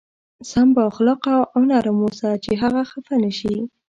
سم با اخلاقه او نرم اوسه چې هغه خفه نه شي.